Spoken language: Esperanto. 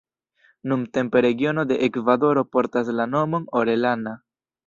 Nuntempe regiono de Ekvadoro portas la nomon Orellana.